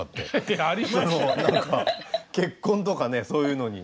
何か結婚とかねそういうのに。